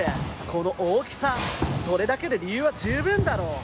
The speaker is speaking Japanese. この大きさ、それだけで理由は十分だろう。